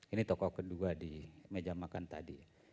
ini tokoh kedua di meja makan tadi